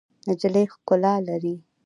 نجلۍ ښکلا لري.